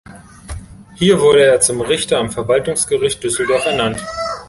Hier wurde er zum Richter am Verwaltungsgericht Düsseldorf ernannt.